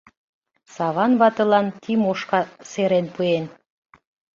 Саван ватылан Тимошка серен пуэн.